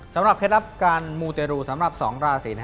สำหรับเคล็ดอัพการหมูเตรูที่สองราศี